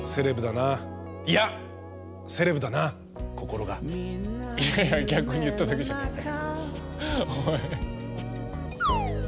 いやいや逆に言っただけじゃねえかよ。